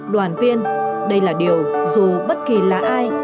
đoàn viên đây là điều dù bất kỳ là ai